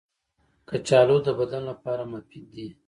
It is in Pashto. کچالو د بدن لپاره مفید دي